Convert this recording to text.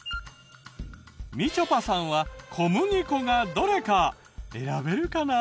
みちょぱさんは小麦粉がどれか選べるかな？